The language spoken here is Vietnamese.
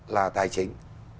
là tài chính